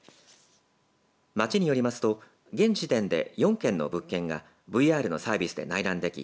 町によりますと現時点で４件の物件がＶＲのサービスで内覧でき